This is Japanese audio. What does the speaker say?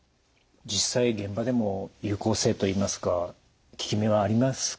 実際現場でも有効性といいますか効き目はありますか？